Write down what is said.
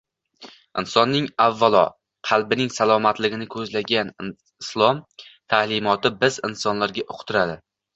insonning avvalo qalbining salomatligini ko‘zlagan Islom ta’limoti biz insonlarga uqtiradi